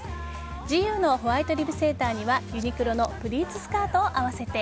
ＧＵのホワイトリブセーターにはユニクロのプリーツスカートを合わせて。